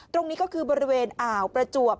ตรงนี้ก็คือบริเวณอ่าวประจวบ